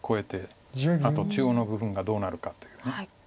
あと中央の部分がどうなるかという。